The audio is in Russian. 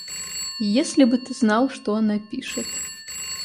Если бы ты знал, что она пишет!